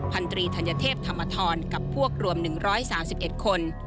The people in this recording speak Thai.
พันธรีธัญเทพธรรมทรกับพวกรวมหนึ่งร้อยสามสิบเอ็ดคน